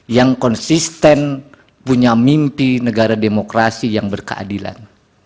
yang konsisten punya mimpi negara demokrasi yang berkeadilan